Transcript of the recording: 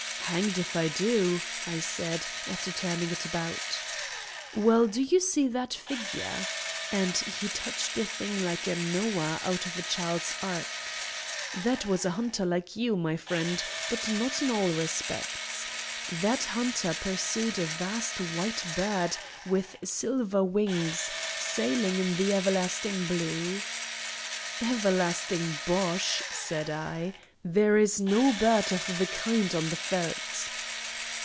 "Hanged if I do!" I said, after turning it about. "Well, do you see that figure?" and he touched a thing like a Noah out of a child's ark. "That was a hunter like you, my friend, but not in all respects. That hunter pursued a vast white bird with silver wings, sailing in the everlasting blue." "Everlasting bosh!" said I; "there is no bird of the kind on the veldt."